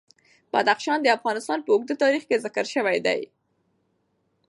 بدخشان د افغانستان په اوږده تاریخ کې ذکر شوی دی.